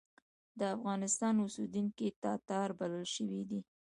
د افغانستان اوسېدونکي تاتار بلل شوي دي.